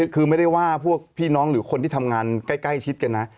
คือไม่ได้ว่าพวกพี่น้องหรือคนที่ทำงานใกล้ชิดกันนะ